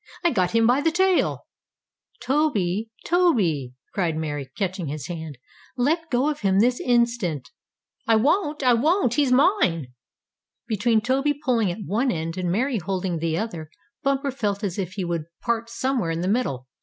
"I got him by the tail." "Toby! Toby!" cried Mary, catching his hand. "Let go of him this instant." "I won't! I won't! He's mine!" Between Toby pulling at one end, and Mary holding the other, Bumper felt as if he would part somewhere in the middle.